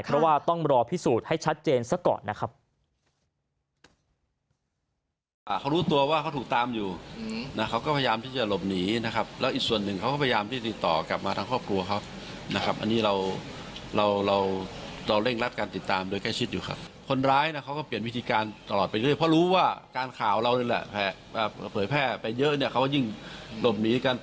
เพราะว่าต้องรอพิสูจน์ให้ชัดเจนซะก่อนนะครับ